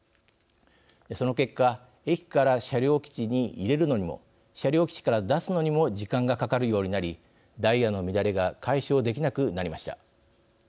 その結果駅から車両基地に入れるのにも車両基地から出すのにも時間がかかるようになりダイヤの乱れが解消できなくなりました。